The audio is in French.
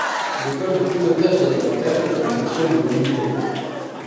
L’École de pilotage élémentaire est une section de l'unité.